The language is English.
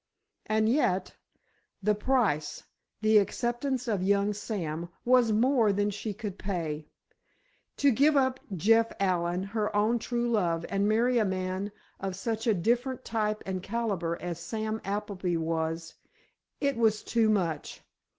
And yet, the price—the acceptance of young Sam, was more than she could pay. To give up Jeff Allen, her own true love, and marry a man of such a different type and calibre as Sam Appleby was—it was too much!